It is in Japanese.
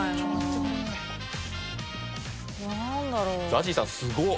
ＺＡＺＹさんすごっ。